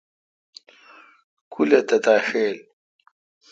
کول اہ۔ تتاشیل